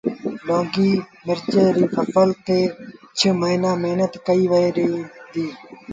لونگي مرچ ري ڦسل تي ڇه موهيݩآݩ مهنت ڪئيٚ وهي ديٚ